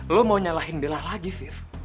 lo mau nyalahin bella lagi fif